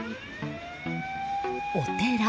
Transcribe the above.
お寺。